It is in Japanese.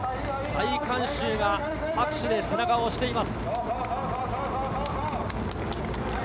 大観衆が拍手で背中を押しています。